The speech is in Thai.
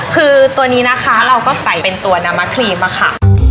คือตัวนี้นะคะเราก็ใส่เป็นตัวน้ำมะครีมอะค่ะ